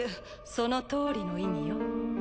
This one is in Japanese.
そのとおりの意味よ。